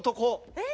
え？